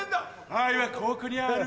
愛はここにある